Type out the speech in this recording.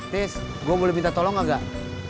tes gue boleh minta tolong gak